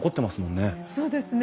そうですね。